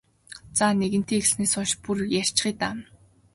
За нэгэнтээ эхэлснээс хойш бүр ярьчихъя даа.